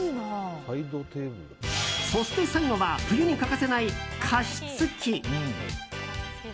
そして最後は冬に欠かせない加湿器。